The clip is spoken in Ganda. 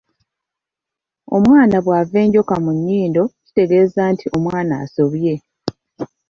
Omwana bw’ava enjoka mu nnyindo kitegeza nti omwana asobye.